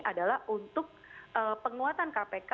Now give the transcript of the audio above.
adalah untuk penguatan kpk